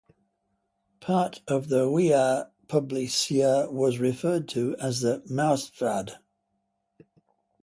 Part of the Via Publcia was referred to as the "Mauspfad".